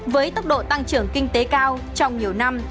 với tốc độ tăng trưởng kinh tế cao trong nhiều năm